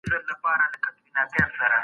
سالم ذهن باور نه خرابوي.